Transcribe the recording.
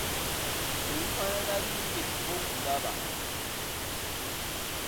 Ebifaanana biri bye tuva okulaba.